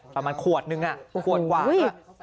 ประมาณขวดนึงอ่ะขวดหวานอ่ะ